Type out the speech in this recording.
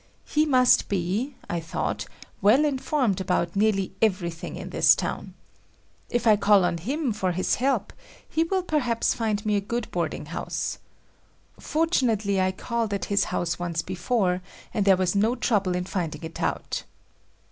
He must be, I thought, well informed about nearly everything in this town. If I call on him for his help, he will perhaps find me a good boarding house. Fortunately, I called at his house once before, and there was no trouble in finding it out.